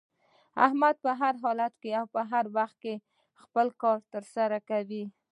احمد په هر حالت او هر وخت کې خپل کار تر سره کوي.